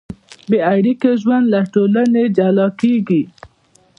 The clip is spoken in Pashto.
بېاړیکو ژوند له ټولنې جلا کېږي.